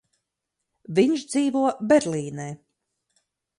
Viņš dzīvo Berlīnē.